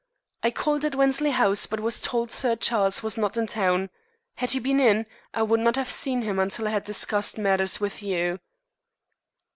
I called at Wensley House, but was told Sir Charles was not in town. Had he been in, I would not have seen him until I had discussed matters with you."